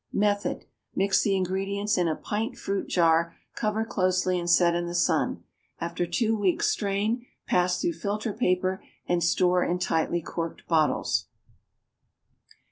Method. Mix the ingredients in a pint fruit jar, cover closely, and set in the sun; after two weeks strain, pass through filter paper and store in tightly corked bottles.